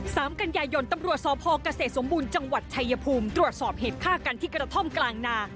สามกันยายนตำรวจสพเกษตรสมบูรณ์จังหวัดชายภูมิตรวจสอบเหตุฆ่ากันที่กระท่อมกลางนา